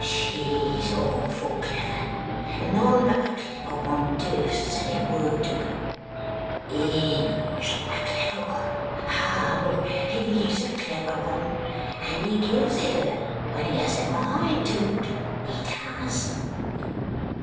She's awful clever, and none but a clever one durst say a word to her. He's a clever one oh, he's a clever one! and he gives it her when he has a mind to't, he does!